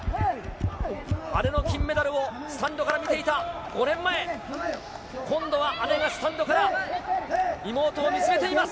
姉の金メダルをスタンドから見ていた５年前、今度は姉がスタンドから妹を見つめています。